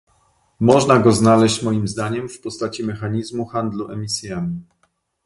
Można go znaleźć, moim zdaniem, w postaci mechanizmu handlu emisjami